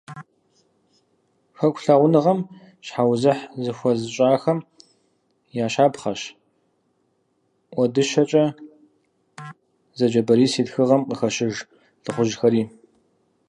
Хэку лъагъуныгъэм щхьэузыхь зыхуэзыщӀахэм я щапхъэщ « ӀуэдыщэкӀэ» зэджэ Борис и тхыгъэхэм къыхэщыж лӀыхъужьхэри.